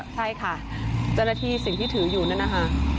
ใช่ค่ะเจ้าหน้าที่สิ่งที่ถืออยู่นั่นนะคะ